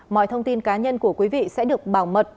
mọi thông tin cá nhân của quý vị sẽ được bảo mật